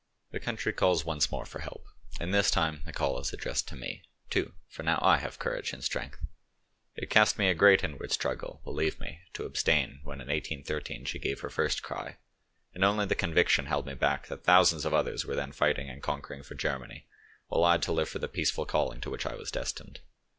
"The country calls once more for help, and this time the call is addressed to me, too, for now I have courage and strength. It cast me a great in ward struggle, believe me, to abstain when in 1813 she gave her first cry, and only the conviction held me back that thousands of others were then fighting and conquering for Germany, while I had to live far the peaceful calling to which I was destined.